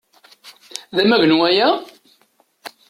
D amagnu aya?